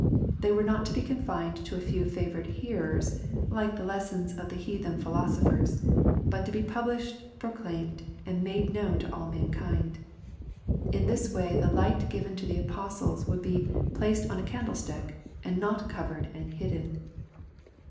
They were not to be confined to a few fevored hfearers, like the lessons of the heathen philosophers, but to be published, proclaimed, and made known to all mankind. In this way the light given to the apostles would be *' placed on a candlestick," and not covered and hidden.